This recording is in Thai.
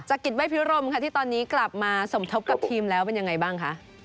กิจเวทพิรมค่ะที่ตอนนี้กลับมาสมทบกับทีมแล้วเป็นยังไงบ้างคะ